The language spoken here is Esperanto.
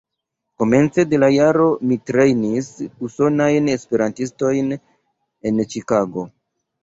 Komence de la jaro mi trejnis Usonajn Esperantistojn en Ĉikago.